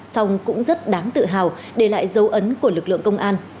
song cũng rất đáng tự hào để lại dấu ấn của lực lượng công an